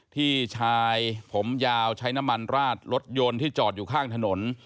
ที่ชายผมยาวใช้น้ำมันราดรถยนต์ที่จอดอยู่ข้างถนน